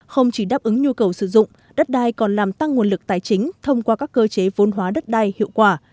không chỉ đáp ứng nhu cầu sử dụng đất đai còn làm tăng nguồn lực tài chính thông qua các cơ chế vôn hóa đất đai hiệu quả